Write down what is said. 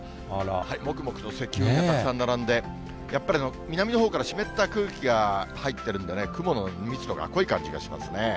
もくもくと積雲がたくさん並んで、やっぱり南の方から湿った空気が入ってるんでね、雲の密度が濃い感じがしますね。